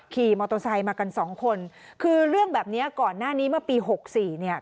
ขี่มอเตอร์ไซค์มากันสองคนคือเรื่องแบบเนี้ยก่อนหน้านี้เมื่อปีหกสี่เนี่ย